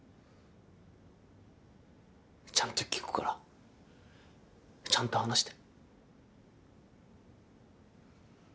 ちゃんと聞くからちゃんと話して。